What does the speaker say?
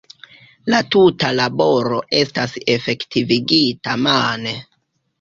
La tuta laboro estas efektivigita mane.